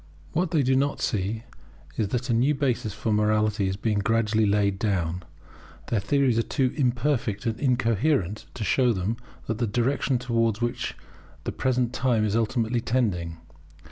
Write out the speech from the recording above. What they do not see is that a new basis for morality is being gradually laid down. Their theories are too imperfect and incoherent to show them the direction towards which the present time is ultimately tending.